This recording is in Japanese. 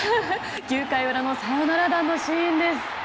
９回裏のサヨナラ打のシーンです。